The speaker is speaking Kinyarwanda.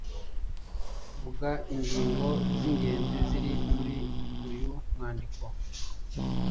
Vuga ingingo z’ingenzi ziri muri uyu mwandiko?